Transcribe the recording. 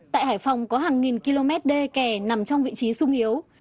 tại hải phòng có hàng nghìn km đê kè nằm trong vị trí sung yếu